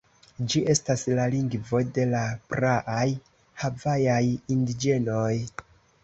Ĝi estas la lingvo de la praaj havajaj indiĝenoj.